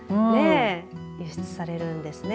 輸出されるんですね。